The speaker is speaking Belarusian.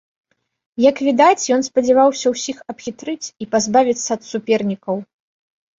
Як відаць, ён спадзяваўся ўсіх абхітрыць і пазбавіцца ад супернікаў.